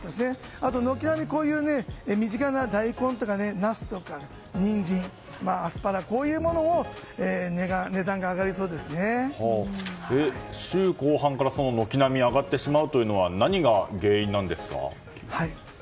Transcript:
あと、軒並み身近な大根とかナスとかニンジン、アスパラといったものも週後半から軒並み上がってしまうのは何が原因なんですか？